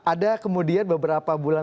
ada kemudian beberapa bulan